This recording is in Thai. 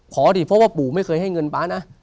ดิเพราะว่าปู่ไม่เคยให้เงินป๊านะ